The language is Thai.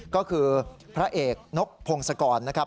ก็คือพระเอกนกพงศกรนะครับ